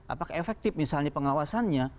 apakah efektif misalnya pengawasannya